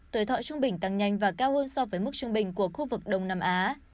tuổi thọ trung bình tăng nhanh và cao hơn so với mức trung bình của khu vực đông nam á